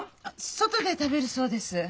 外で食べるそうです。